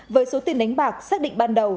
với số tiền đánh bạc xác định ban đầu